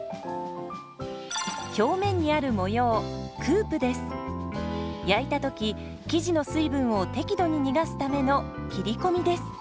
表面にある模様焼いた時生地の水分を適度に逃がすための切り込みです。